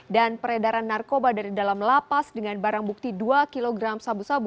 dan peredaran narkoba dari dalam lapas dengan barang bukti dua kg sabu sabu